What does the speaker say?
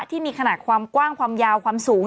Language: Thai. ที่มีขนาดความกว้างความยาวความสูง